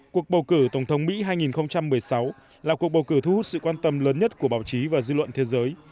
cuộc bầu cử tổng thống mỹ hai nghìn một mươi sáu là cuộc bầu cử thu hút sự quan tâm lớn nhất của báo chí và dư luận thế giới